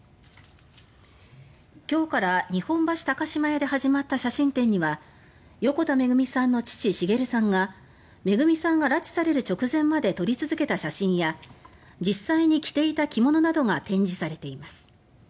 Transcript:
今日から日本橋高島屋で始まった写真展には横田めぐみさんの父・滋さんがめぐみさんが拉致される直前まで撮り続けた写真や実際に着ていた着物などが展示されています。